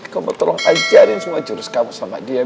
kamu tolong ajarin semua jurus kamu sama dia